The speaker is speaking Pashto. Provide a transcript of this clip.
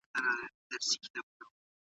تل په خپلو خبرو کي صداقت ولره.